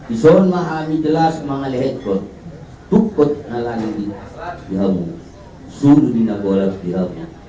ison maha amiglas mga lehetkot tukot nalangin di hamu suruhin abolak di hamu